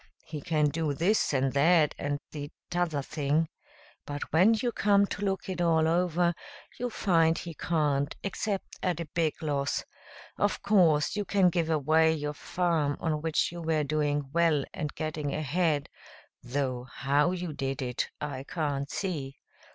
He can do this and that and the t'other thing.' But when you come to look it all over, you find he can't, except at a big loss. Of course, you can give away your farm on which you were doing well and getting ahead, though how you did it, I can't see.